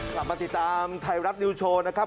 กลับมาติดตามไทยรัฐนิวโชว์นะครับ